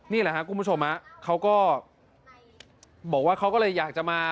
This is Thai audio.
นี่แหละครับคุณผู้ชมเขาก็บอกว่าเขาก็เลยอยากจะมา